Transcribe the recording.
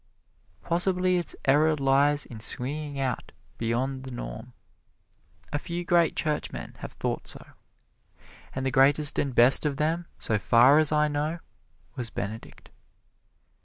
Possibly its error lies in swinging out beyond the norm. A few great Churchmen have thought so. And the greatest and best of them, so far as I know, was Benedict.